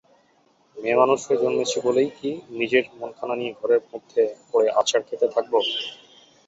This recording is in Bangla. মেয়েমানুষ হয়ে জন্মেছি বলেই কি নিজের মনখানাকে নিয়ে ঘরের মধ্যে পড়ে আছাড় খেতে থাকব?